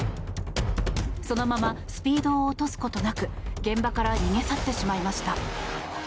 そのままスピードを落とすことなく現場から逃げ去ってしまいました。